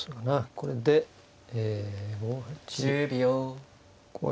これでえ５八。